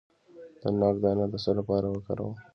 د ناک دانه د څه لپاره وکاروم؟